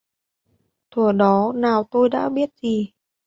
Thuở đó nào tôi đã biết gì